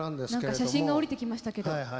何か写真が下りてきましたけど。